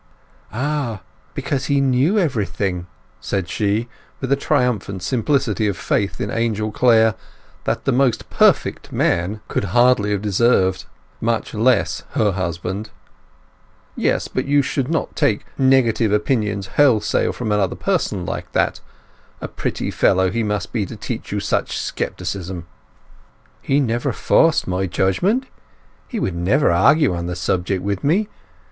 "Ah, because he knew everything!" said she, with a triumphant simplicity of faith in Angel Clare that the most perfect man could hardly have deserved, much less her husband. "Yes, but you should not take negative opinions wholesale from another person like that. A pretty fellow he must be to teach you such scepticism!" "He never forced my judgement! He would never argue on the subject with me!